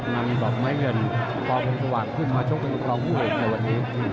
นำอีบอกมิคเงินพคงสว่างขึ้นมาชกกับอุปรองผู้ห่วง